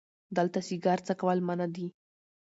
دلته سیګار څکول منع دي🚭